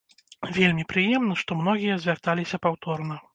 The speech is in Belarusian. Вельмі прыемна, што многія звярталіся паўторна.